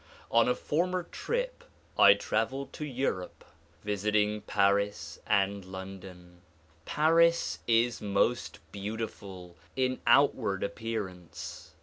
On a former trip I traveled to Europe, visiting Paris and London. Paris is most beautiful in outward appearance.